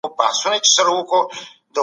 لویه جرګه د کړکېچ په وخت کي ولي راټولیږي؟